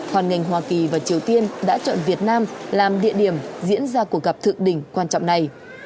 hoàn ngành hoa kỳ và triều tiên đã chọn việt nam làm địa điểm diễn ra cuộc gặp thượng đỉnh quan trọng này